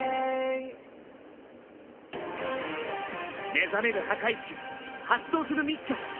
目覚める破壊神発動するミッション。